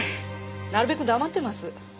なるべく黙ってます。